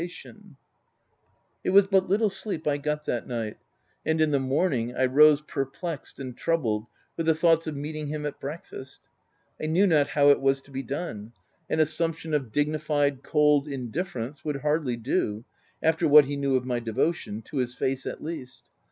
330 THE TENANT It was but little sleep I got that night ; and in the morning I rose perplexed and troubled with the thoughts of meeting him at breakfast. I knew not how it was to be done ; an assump tion of dignified, cold indifference would hardly do after what he knew of my devotion — to his face, at least.